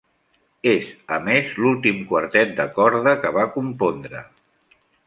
És, a més, l'últim quartet de corda que va compondre.